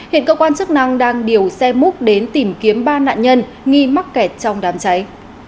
hiện cơ quan chức năng đang điều xe múc đến tìm kiếm ba nạn nhân nghi mắc kẹt trong đám cháy